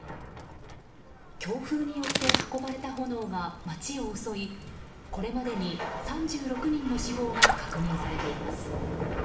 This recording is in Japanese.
強風によって運ばれた炎が街を襲いこれまでに３６人の死亡が確認されています。